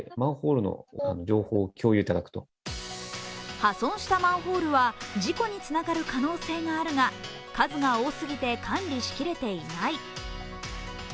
破損したマンホールは事故につながる可能性があるが数が多すぎて管理しきれていない。